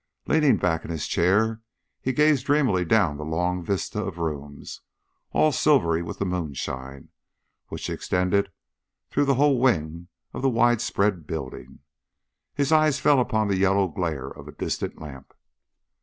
Leaning back in his chair, he gazed dreamily down the long vista of rooms, all silvery with the moonshine, which extend through the whole wing of the widespread building. His eyes fell upon the yellow glare of a distant lamp.